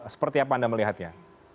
seperti apa anda melihatnya